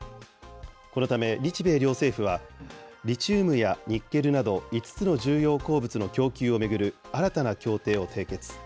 このため、日米両政府は、リチウムやニッケルなど、５つの重要鉱物の供給を巡る新たな協定を締結。